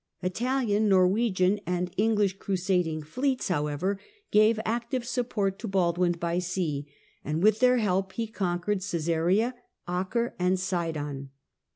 Italian, Norwegian and English crusading fleets, how ever, gave active support to Baldwin by sea, and with their help he conquered Csesarea, Acre and Sidon.